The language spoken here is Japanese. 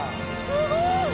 すごい！